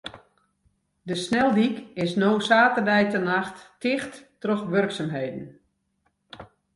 De sneldyk is no saterdeitenacht ticht troch wurksumheden.